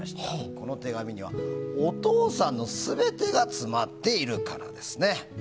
この手紙には、お父さんの全てが詰まっているからですね。